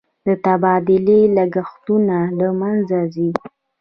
د تبادلې لګښتونه له منځه ځي.